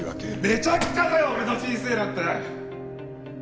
めちゃくちゃだよ俺の人生なんて！